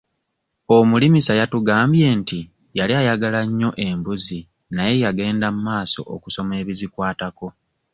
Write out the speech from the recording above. Omulimisa yatugambye nti yali ayagala nnyo embuzi naye yagenda mmaaso okusoma ebizikwatako.